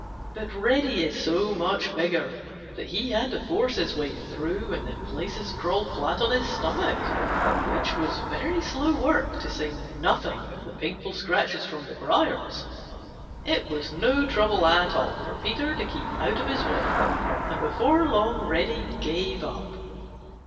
But Reddy is so much bigger that he had to force his way through and in places crawl flat on his stomach, which was very slow work, to say nothing of the painful scratches from the briars. It was no trouble at all for Peter to keep out of his way, and before long Reddy gave up.